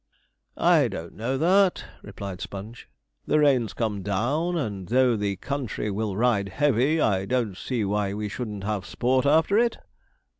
'I don't know that,' replied Sponge, 'the rain's come down, and though the country will ride heavy, I don't see why we shouldn't have sport after it.'